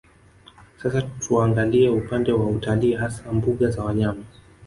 Sasa tuangalie upande wa utalii hasa mbuga za wanyama